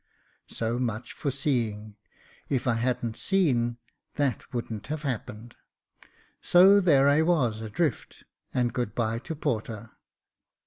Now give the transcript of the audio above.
So much for seeing ; if I hadn't seen, that wouldn't have happened. So there I was adrift, and good bye to porter.